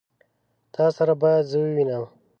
تا سره بايد زه ووينم.